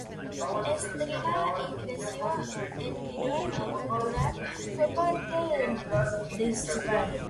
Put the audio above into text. Ernestina creció en un rigor cultural fuerte por parte de su padre.